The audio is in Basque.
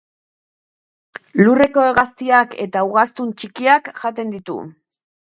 Lurreko hegaztiak eta ugaztun txikiak jaten ditu.